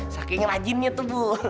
saking rajinnya tuh bu